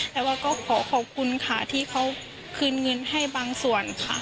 แต่ว่าก็ขอขอบคุณค่ะที่เขาคืนเงินให้บางส่วนค่ะ